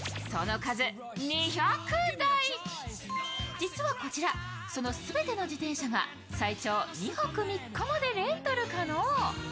実はこちら、その全ての自転車が最長２泊３日までレンタル可能。